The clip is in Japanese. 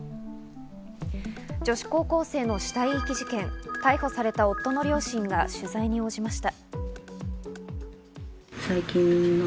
女子高校生の死体遺棄事件、逮捕された夫の両親が取材に応じました。